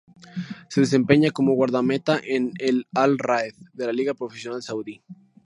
Se desempeña como guardameta en el Al-Raed de la Liga Profesional Saudí.